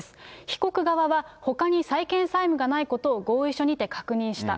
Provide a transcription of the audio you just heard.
被告側は、ほかに債権債務がないことを合意書にて確認した。